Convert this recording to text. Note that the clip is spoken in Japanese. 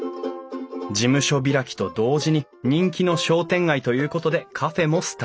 事務所開きと同時に人気の商店街ということでカフェもスタート。